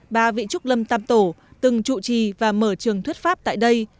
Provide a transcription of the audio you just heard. ba vị trúc lâm tam tổ từng trụ trì và mở trường thuyết pháp tại đây